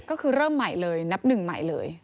ก็คือเริ่มใหม่เลยนับหนึ่งใหม่เลย